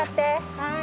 はい。